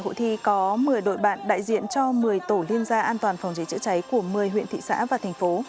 hôm nay có một mươi đội bạn đại diện cho một mươi tổ liên gia an toàn phòng trái chữa trái của một mươi huyện thị xã và thành phố